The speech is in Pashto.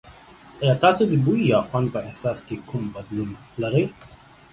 ایا تاسو د بوی یا خوند په احساس کې کوم بدلون لرئ؟